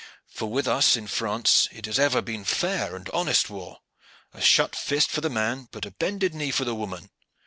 For with us in France it has ever been fair and honest war a shut fist for the man, but a bended knee for the woman.